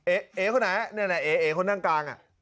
เอ๊ะคนไหนเนี้ยล่ะเอ๊ะเอ๊ะคนด้านกลางอ่ะ